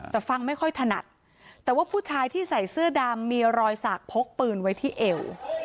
แต่ฟังไม่ค่อยถนัดแต่ว่าผู้ชายที่ใส่เสื้อดำมีรอยสักพกปืนไว้ที่เอว